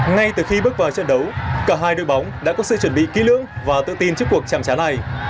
ngay từ khi bước vào trận đấu cả hai đội bóng đã có sự chuẩn bị kỹ lưỡng và tự tin trước cuộc chạm trá này